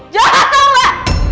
jahat tau gak